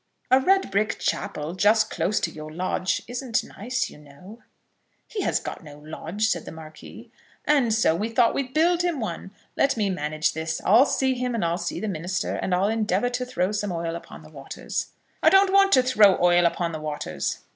"A red brick chapel, just close to your lodge, isn't nice, you know." "He has got no lodge," said the Marquis. "And so we thought we'd build him one. Let me manage this. I'll see him, and I'll see the minister, and I'll endeavour to throw some oil upon the waters." "I don't want to throw oil upon the waters."